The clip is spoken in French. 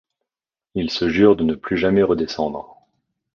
Il se jure de ne plus jamais redescendre.